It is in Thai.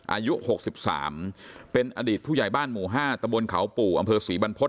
อายุ๖๓เป็นอดีตผู้ใหญ่บ้านหมู่๕ตะบนเขาปู่อำเภอศรีบรรพฤษ